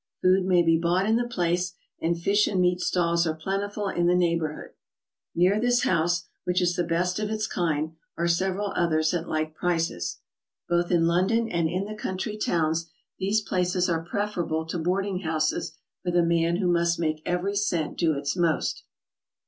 Food may be bought in the place, and fish and meat stalls are plentiful in the neighborhood. Near this house, which is the best of its kind, are several others at like prices. Both in London and in the country towns these places are preferable to boarding houses for the man who must make every cent do its most.